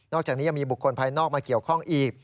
อกจากนี้ยังมีบุคคลภายนอกมาเกี่ยวข้องอีก